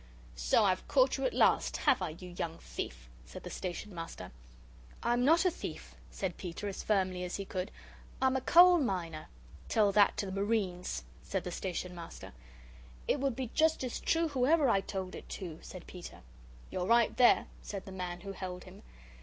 "So I've caught you at last, have I, you young thief?" said the Station Master. "I'm not a thief," said Peter, as firmly as he could. "I'm a coal miner." "Tell that to the Marines," said the Station Master. "It would be just as true whoever I told it to," said Peter. "You're right there," said the man, who held him.